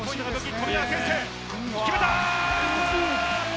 富永啓生決めた！